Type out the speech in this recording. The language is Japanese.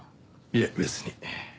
いえ別に。